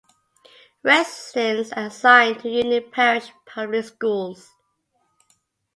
Residents are assigned to Union Parish Public Schools.